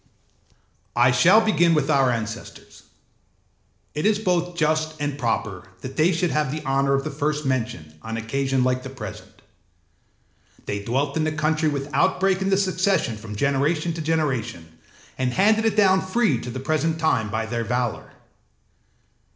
âI shall begin with our ancestors: it is both just and proper that they should have the honour of the first mention on an occasion like the present. They dwelt in the country without break in the succession from generation to generation, and handed it down free to the present time by their valour.